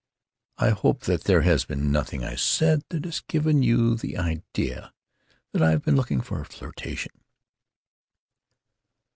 I hope that there has been nothing I said that has given you the idea that I have been looking for a flirtation."